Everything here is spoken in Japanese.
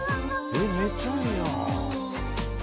めっちゃええやん。